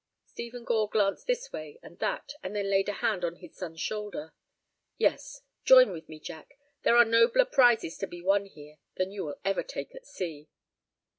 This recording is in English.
Stephen Gore glanced this way and that, and then laid a hand on his son's shoulder. "Yes. Join with me, Jack; there are nobler prizes to be won here than you will ever take at sea."